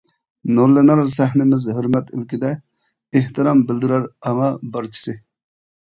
نۇرلىنار سەھنىمىز ھۆرمەت ئىلكىدە، ئېھتىرام بىلدۈرەر ئاڭا بارچىسى.